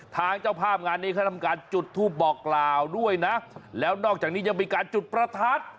เจ้าภาพงานนี้เขาทำการจุดทูปบอกกล่าวด้วยนะแล้วนอกจากนี้ยังมีการจุดประทัด